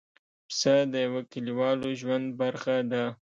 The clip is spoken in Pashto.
پسه د یوه کلیوالو ژوند برخه ده.